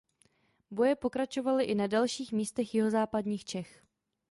Boje pokračovaly i na dalších místech jihozápadních Čech.